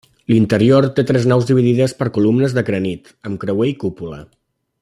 L'interior té tres naus dividides per columnes de granit, amb creuer i cúpula.